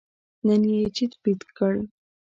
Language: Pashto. نن یې چیت پیت کړ.